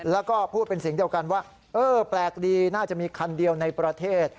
แล้วก็พูดเป็นเสียงเดียวกันว่าเออแปลกดีน่าจะมีคันเดียวในประเทศ